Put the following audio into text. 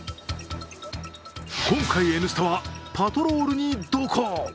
今回「Ｎスタ」はパトロールに同行。